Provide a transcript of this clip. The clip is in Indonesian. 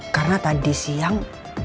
karena tadi siang